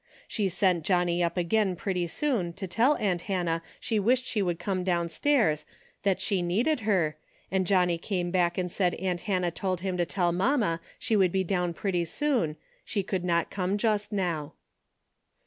She sent Johnnie up again pretty soon to tell aunt Hannah she wished she would come downstairs, that she needed her, and Johnnie came back and said aunt Hannah told him to tell mamma she would be down pretty soon, she could not come just now.